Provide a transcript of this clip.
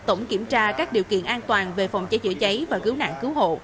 tổng kiểm tra các điều kiện an toàn về phòng cháy chữa cháy và cứu nạn cứu hộ